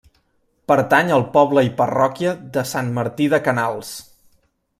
Pertany al poble i parròquia de Sant Martí de Canals.